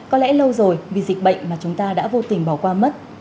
có lẽ lâu rồi vì dịch bệnh mà chúng ta đã vô tình bỏ qua mất